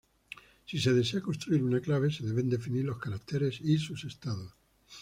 Si se desea construir una clave, se deben definir los caracteres y sus estados.